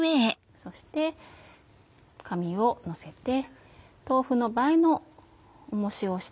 そして紙をのせて豆腐の。